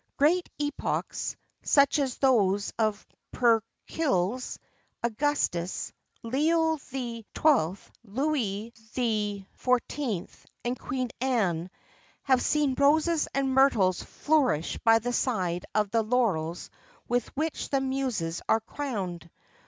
Great epochs such as those of Pericles, Augustus, Leo XII., Louis XIV., and Queen Anne have seen roses and myrtles flourish by the side of the laurels with which the muses are crowned.